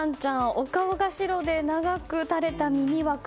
お顔が白で、長く垂れた耳は黒。